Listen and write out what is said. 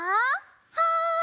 はい！